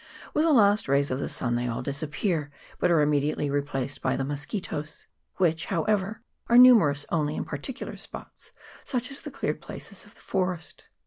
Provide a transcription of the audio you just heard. With the last ray of the sun they all disappear, but are immediately replaced by the mus quittos, which, however, are numerous only in par ticular spots, such as the cleared places of the forest.